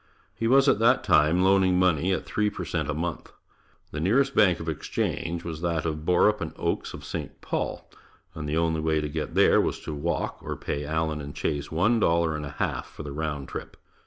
He was at that time loaning money at three per cent a month. The nearest bank of Exchange was that of Borup & Oakes of St. Paul, and the only way to get there was to walk or pay Allen & Chase one dollar and a half for the round trip.